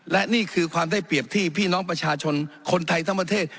และนี่คือความได้เปรียบที่พี่น้องประชาชนคนไทยทั้งประเทศ